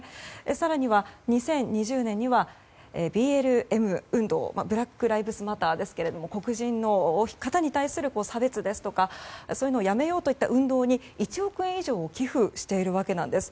更には、２０２０年にはＢＬＭ運動ブラック・ライブズ・マターですが、黒人の方に対する差別ですとか、そういうのをやめようという運動に１億円以上を寄付しているわけなんです。